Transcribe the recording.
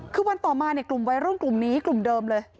คือวันต่อมาเนี่ยกลุ่มวัยรุ่นกลุ่มนี้กลุ่มเดิมเลย